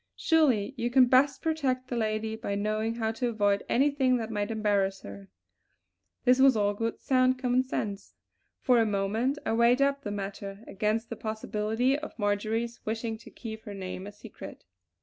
Surely you can best protect the lady by knowing how to avoid anything that might embarrass her!" This was all good sound common sense. For a moment I weighed up the matter against the possibility of Marjory's wishing to keep her name a secret.